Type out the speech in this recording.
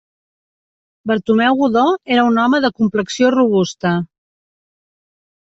Bartomeu Godó era un home de complexió robusta.